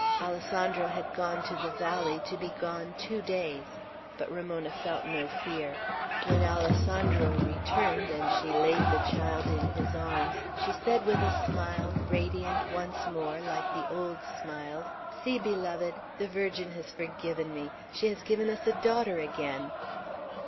Alessandro had gone to the valley, to be gone two days; but Ramona felt no fear. When Alessandro returned, and she laid the child in his arms, she said with a smile, radiant once more, like the old smiles, "See, beloved! The Virgin has forgiven me; she has given us a daughter again!"